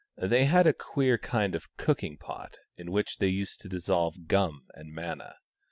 They had a queer kind of cooking pot, in which they used to dissolve gum and manna.